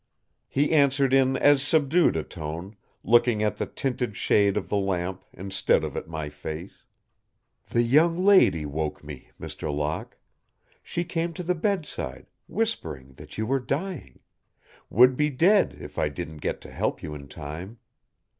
He answered in as subdued a tone, looking at the tinted shade of the lamp instead of at my face. "The young lady woke me, Mr. Locke. She came to the bedside, whispering that you were dying would be dead if I didn't get to help you in time.